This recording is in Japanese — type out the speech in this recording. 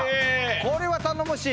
これは頼もしい！